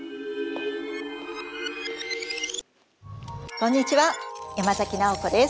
こんにちは山崎直子です。